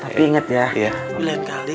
tapi inget ya lain kali